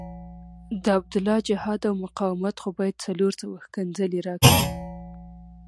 د عبدالله جهاد او مقاومت خو باید څلور سوه ښکنځلې راکړي.